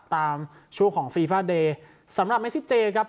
ช่วงของฟีฟาเดย์สำหรับเมซิเจครับ